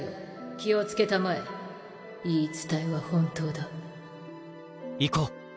気をつけたまえ言い伝えは本当だ行こう。